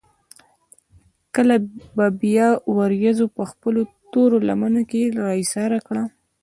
کله به بيا وريځو پۀ خپلو تورو لمنو کښې را ايساره کړه ـ